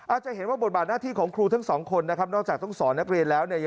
อาจจะเห็นว่าบทบาทหน้าที่ของครูทั้งสองคนนะครับนอกจากต้องสอนนักเรียนแล้วเนี่ย